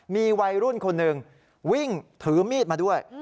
มีวัยรุ่นคนหนึ่งวิ่งถือมีดมาด้วย